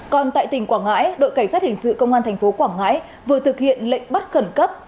còn tại tỉnh quảng ngãi đội cảnh sát hình sự công an tp quảng ngãi vừa thực hiện lệnh bắt khẩn cấp